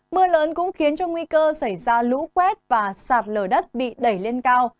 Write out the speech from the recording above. mưa lớn cũng khiến cho nguy cơ xảy ra lũ quét và sạt lở đất bị đẩy lên cao